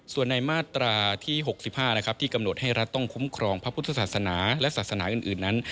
ส่วนในมาตราที่๖๕ที่กำหนดให้รัฐต้องคุ้มครองพระพุทธศาสนาและศาสนาอื่นนั้น